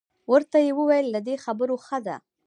ورته یې وویل له دې خبرو ښه ده.